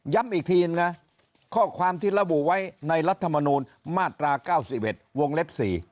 อีกทีนึงนะข้อความที่ระบุไว้ในรัฐมนูลมาตรา๙๑วงเล็บ๔